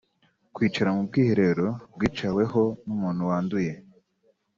kwicara ku bwiherero bwicaweho n’umuntu wanduye